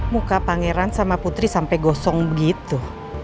muka pangeran sama putri sampai gosong begitu